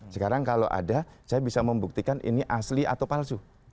sekarang kalau ada saya bisa membuktikan ini asli atau palsu